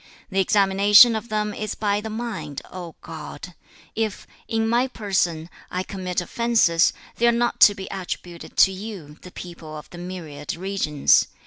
The examination of them is by thy mind, O God. If, in my person, I commit offences, they are not to be attributed to you, the people of the myriad regions.